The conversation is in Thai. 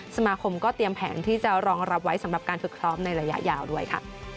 สมาคมก็เตรียมแผนที่จะรองรับไว้สำหรับการฝึกซ้อมในระยะยาวด้วยค่ะ